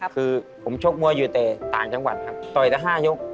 คือผมชกมวยอยู่แต่ต่างจังหวัดครับต่อยละ๕ยก